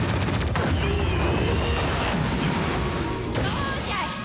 どうじゃい！